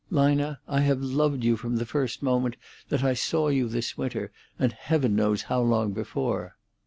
"Lina, I have loved you from the first moment that I saw you this winter, and Heaven knows how long before!"